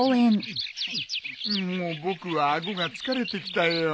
もう僕は顎が疲れてきたよ。